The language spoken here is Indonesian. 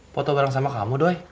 foto bareng sama kamu doy